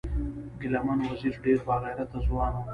ګلمن وزیر ډیر با غیرته ځوان و